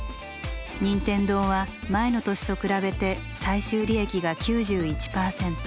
任天堂は前の年と比べて最終利益が９１％